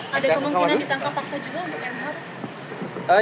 ada kemungkinan ditangkap paksa juga